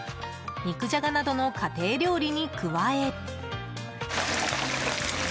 肉ジャガなどの家庭料理に加え。